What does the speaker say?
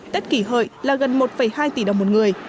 tết kỷ hợi là gần một hai tỷ đồng một người